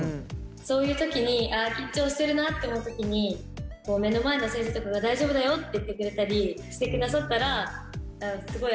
そういう時にああ緊張してるなって思う時に目の前の先生とかが大丈夫だよって言ってくれたりしてくださったらスゴイ安心するなって。